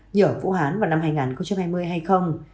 nhờ phú hán vào năm hai nghìn hai mươi hay không